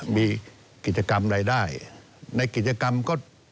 มีกิจกรรมรายได้ในกิจกรรมก็